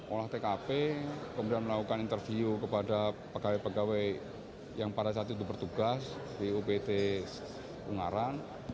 olah tkp kemudian melakukan interview kepada pegawai pegawai yang pada saat itu bertugas di upt ungaran